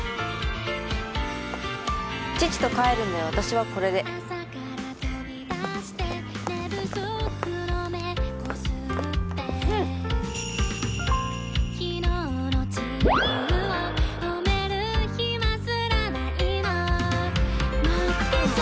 父と帰るんで私はこれでフン！